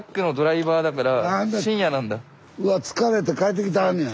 うわ疲れて帰ってきてはんねや。